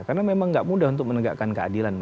karena memang tidak mudah untuk menegakkan keadilan